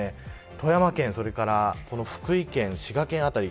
富山県、それから福井県滋賀県辺り